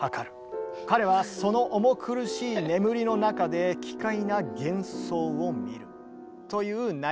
彼はその重苦しい眠りの中で奇怪な幻想を見る」。